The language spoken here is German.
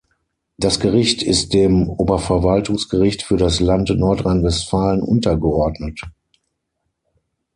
Das Gericht ist dem Oberverwaltungsgericht für das Land Nordrhein-Westfalen untergeordnet.